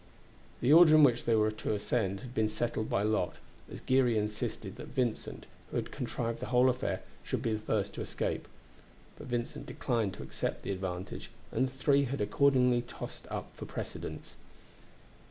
The order in which they were to ascend had been settled by lot, as Geary insisted that Vincent, who had contrived the whole affair, should be the first to escape; but Vincent declined to accept the advantage, and the three had accordingly tossed up for precedence.